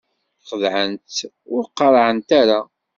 Xedɛent-tt ur qarɛent ara.